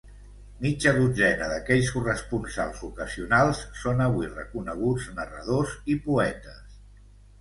Mitja dotzena d'aquells corresponsals ocasionals són avui reconeguts narradors i poetes.